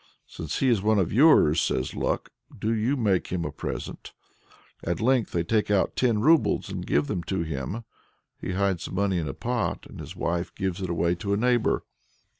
"Since he is one of yours," says Luck, "do you make him a present." At length they take out ten roubles and give them to him. He hides the money in a pot, and his wife gives it away to a neighbor.